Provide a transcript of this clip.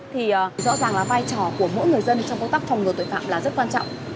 thì rõ ràng là vai trò của mỗi người dân trong công tác phòng ngừa tội phạm là rất quan trọng